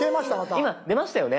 今出ましたよね。